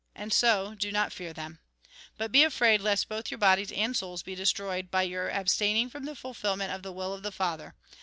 And so, do not fear them. But be afraid lest both your bodies and souls be destroyed, by your abstaining from the fulfilment of the will of the Father.